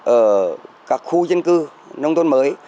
ở các khu dân cư nông thôn mới